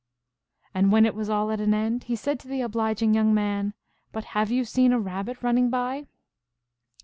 And when it was all at an end he said to the obliging young man, " But have you seen a Rab? bit running by